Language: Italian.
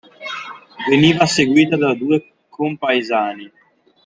Veniva seguita da due compaesani.